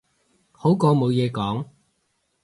好過冇嘢講